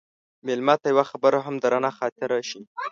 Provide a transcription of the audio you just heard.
مېلمه ته یوه خبره هم درنه خاطره شي.